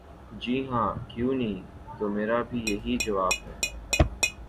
''جی ہاں، کیوں نہیں‘‘ ''تو میرا بھی یہی جواب ہے۔